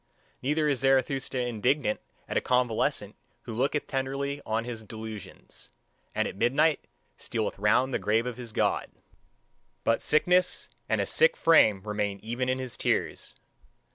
Neither is Zarathustra indignant at a convalescent who looketh tenderly on his delusions, and at midnight stealeth round the grave of his God; but sickness and a sick frame remain even in his tears.